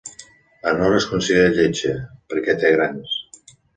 La Nora es considera lletja, perquè té grans.